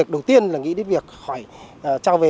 đầu tiên là nghĩ đến việc